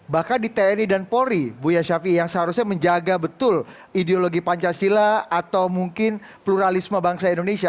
bahkan di tni dan polri buya ⁇ shafii ⁇ yang seharusnya menjaga betul ideologi pancasila atau mungkin pluralisme bangsa indonesia